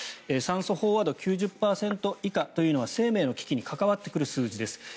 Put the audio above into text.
酸素飽和度９０％以下というのは生命の危機に関わってくる数字です。